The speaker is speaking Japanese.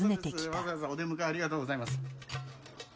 わざわざお出迎えありがとうございます。